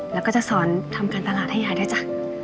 แล้วก็จะสอนทำการตลาดให้ยายด้วยจ้ะ